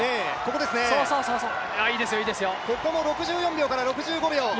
ここも６４秒から６５秒。